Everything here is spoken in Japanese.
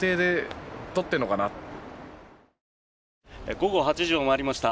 午後８時を回りました。